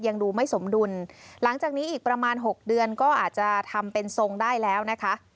ยังดูไม่สมดุลหลังจากนี้อีกประมาณหกเดือนก็อาจจะทำเป็นทรงได้แล้วนะคะ